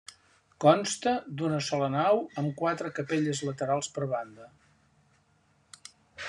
Consta d'una sola nau amb quatre capelles laterals per banda.